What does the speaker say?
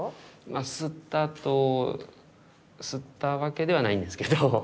まあ吸ったと吸ったわけではないんですけど。